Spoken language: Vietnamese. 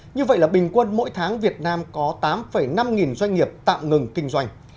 như vậy là bình quân mỗi tháng việt nam có tám năm nghìn doanh nghiệp tạm ngừng kinh doanh